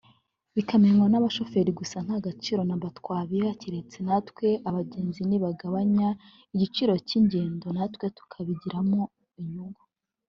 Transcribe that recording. bikamenywa n’abashoferi gusa nta gaciro namba twabiha keretse natwe abagenzi nibagabanya igiciro cy’ingendo natwe tukabigiramo inyungu”